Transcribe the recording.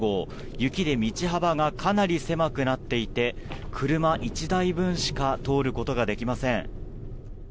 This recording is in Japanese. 雪で道幅がかなり狭くなっていて車１台分しか通ることができません。